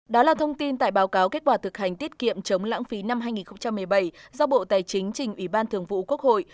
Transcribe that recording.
đó là thông tin tại báo cáo kết quả thực hành tiết kiệm chống lãng phí năm hai nghìn một mươi bảy do bộ tài chính trình ủy ban thường vụ quốc hội